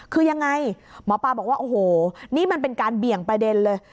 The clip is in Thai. คือยังไงหมอปลาบอกว่าโอ้โหนี่มันเป็นการเบี่ยงประเด็นเลย